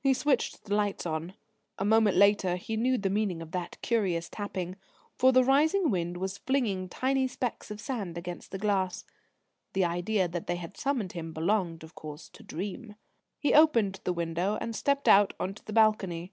He switched the lights on. A moment later he knew the meaning of that curious tapping, for the rising wind was flinging tiny specks of sand against the glass. The idea that they had summoned him belonged, of course, to dream. He opened the window, and stepped out on to the balcony.